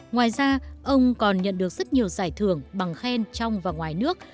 ngoài ra ông còn nhận được rất nhiều giải thưởng bằng khen trong và ngoài nước